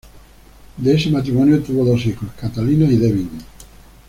De este matrimonio tuvo dos hijos, Catalina y Devin.